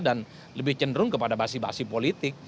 dan lebih cenderung kepada basi basi politik